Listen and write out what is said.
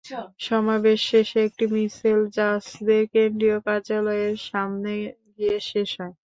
সমাবেশ শেষে একটি মিছিল জাসদের কেন্দ্রীয় কার্যালয়ের সামনে গিয়ে শেষ হয়।